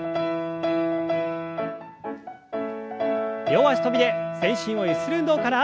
両脚跳びで全身をゆする運動から。